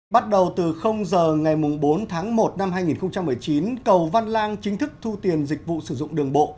bắt đầu từ giờ ngày bốn tháng một năm hai nghìn một mươi chín cầu văn lang chính thức thu tiền dịch vụ sử dụng đường bộ